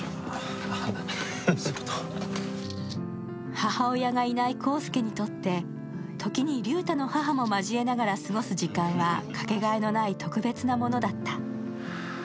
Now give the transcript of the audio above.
母親がいない浩輔にとって時に龍太の母も交えながら過ごす時間はかけがえのない特別なものだった。